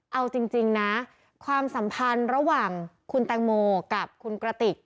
เอาจริงนะความสัมพันธ์ระหว่างคุณแตงโมกับคุณกระติก